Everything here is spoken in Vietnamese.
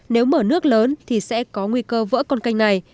nếu mở nước lớn thì sẽ có nguy cơ vỡ con canh này